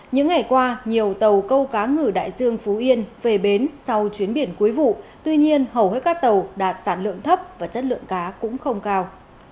những ngày qua nhiều tàu câu cá ngử đại dương phú yên về bến sau chuyến biển cuối vụ tuy nhiên hầu hết các tàu đạt sản lượng thấp và chất lượng cá cũng không cao